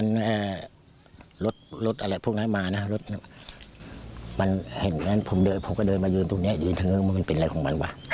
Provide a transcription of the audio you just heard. เขาจะบอกว่าเราเป็นคนทำใช่ไหม